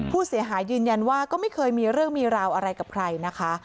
ผู้เสียหายยืนยันว่าก็ไม่เคยมีเรื่องมีราวอะไรกับใครนะคะ